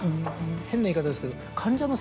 変な言い方ですけど。